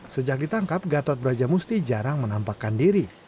sejak ditangkap gatot brajamusti jarang menampakkan diri